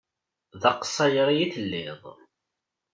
D aqṣayri i telliḍ.